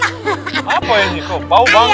apa ini kok bau banget